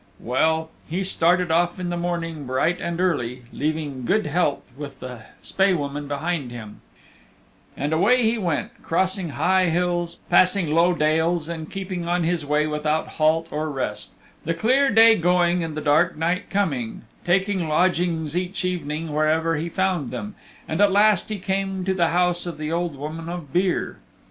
Well, he started off in the morning bright and early, leaving good health with the Spae Woman behind him, and away he went, crossing high hills, passing low dales, and keeping on his way without halt or rest, the clear day going and the dark night coming, taking lodgings each evening wherever he found them, and at last he came to the house of the Old Woman of Beare.